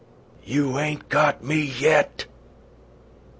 "You ain't got me yet!"